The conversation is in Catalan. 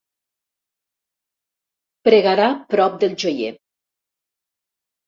Pregarà prop del joier.